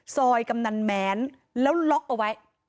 กำนันแม้นแล้วล็อกเอาไว้